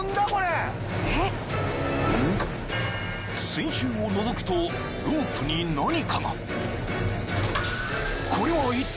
［水中をのぞくとロープに何かが］